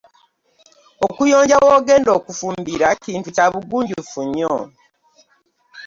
Okuyonja w'ogedda okufumbira kintu kyabugunjufu nnyo.